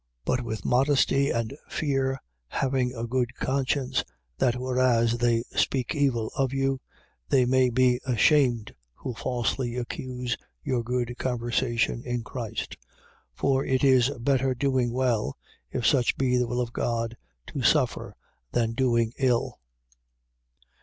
3:16. But with modesty and fear, having a good conscience: that whereas they speak evil of you, they may be ashamed who falsely accuse your good conversation in Christ. 3:17. For it is better doing well (if such be the will of God) to suffer than doing ill.